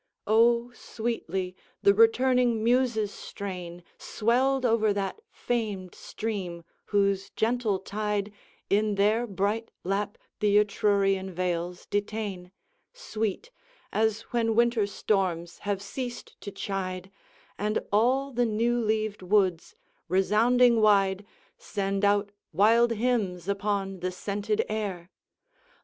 XXI. Oh, sweetly the returning muses' strain Swelled over that famed stream, whose gentle tide In their bright lap the Etrurian vales detain, Sweet, as when winter storms have ceased to chide, And all the new leaved woods, resounding wide, Send out wild hymns upon the scented air.